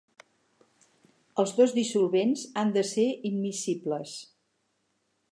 Els dos dissolvents han de ser immiscibles.